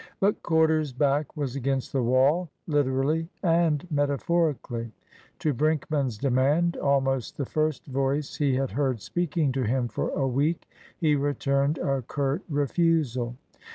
But Corder's back was against the wall, literally and metaphorically. To Brinkman's demand (almost the first voice he had heard speaking to him for a week) he returned a curt refusal.